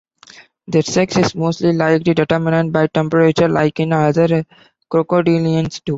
Their sex is most likely determined by temperature, like in other crocodilians too.